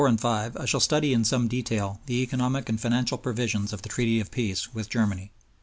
and V. I shall study in some detail the economic and financial provisions of the Treaty of Peace with Germany.